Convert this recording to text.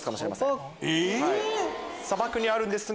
砂漠にあるんですが。